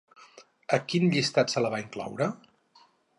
A quin llistat se la va incloure?